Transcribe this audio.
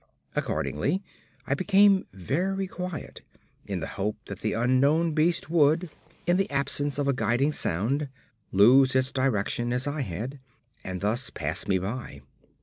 Accordingly, I became very quiet, in the hope that the unknown beast would, in the absence of a guiding sound, lose its direction as had I, and thus pass me by.